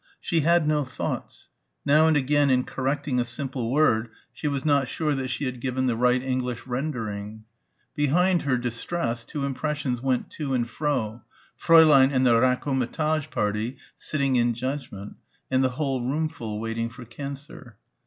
She had no thoughts. Now and again in correcting a simple word she was not sure that she had given the right English rendering. Behind her distress two impressions went to and fro Fräulein and the raccommodage party sitting in judgment and the whole roomful waiting for cancer.